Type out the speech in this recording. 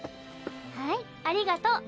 はい。ありがと。